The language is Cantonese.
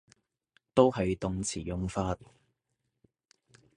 都係動詞用法